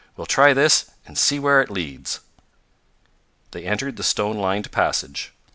"We'll try this and see where it leads." They entered the stone lined passage.